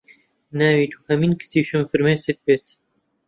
ناوی دوهەمین کچیشم فرمێسک بێت